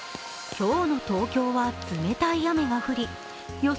今日の東京は冷たい雨が降り予想